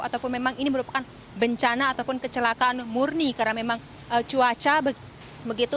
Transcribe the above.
ataupun memang ini merupakan bencana ataupun kecelakaan murni karena memang cuaca begitu